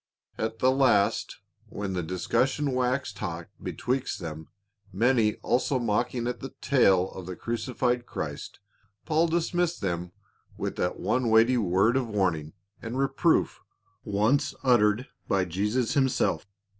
At the last when the discussion waxed hot betwixt them, many also mocking at the tale of the crucified Christ, Paul dismissed them with that one weighty word of warning and reproof once uttered by Jesus himself.